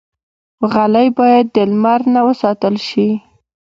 غلۍ باید د لمر نه وساتل شي.